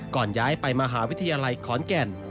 ย้ายไปมหาวิทยาลัยขอนแก่น